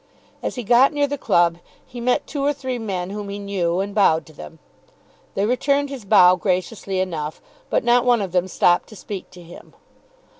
As he got near the club he met two or three men whom he knew, and bowed to them. They returned his bow graciously enough, but not one of them stopped to speak to him.